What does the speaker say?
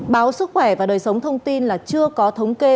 báo sức khỏe và đời sống thông tin là chưa có thống kê